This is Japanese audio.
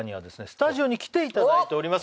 スタジオに来ていただいております